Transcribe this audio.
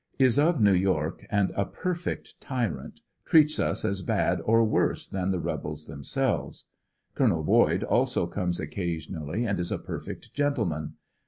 Is of ISew York and a perfect tyrant; treats us as bad or worse than the rebels themselves. Col. Boyd also comes occasionally and is a perfect gentleman.